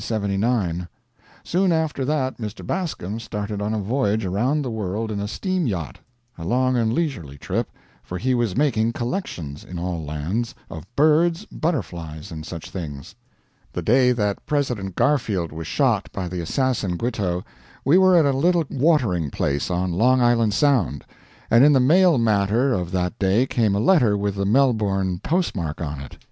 Soon after that Mr. Bascom started on a voyage around the world in a steam yacht a long and leisurely trip, for he was making collections, in all lands, of birds, butterflies, and such things. The day that President Garfield was shot by the assassin Guiteau, we were at a little watering place on Long Island Sound; and in the mail matter of that day came a letter with the Melbourne post mark on it.